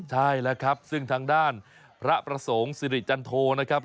ใช่แล้วครับซึ่งทางด้านพระประสงค์สิริจันโทนะครับ